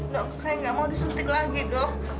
dok saya tidak mau disuntik lagi dok